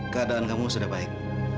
keadaan kamu sudah baik